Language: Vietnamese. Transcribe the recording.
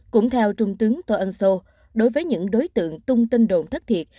cũng theo trung tướng tô ân sô đối với những đối tượng tung tin đồn thất thiệt